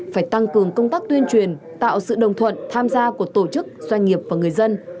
phải tăng cường công tác tuyên truyền tạo sự đồng thuận tham gia của tổ chức doanh nghiệp và người dân